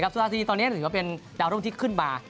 สุราธีตอนนี้ถือว่าเป็นดาวรุ่งที่ขึ้นมา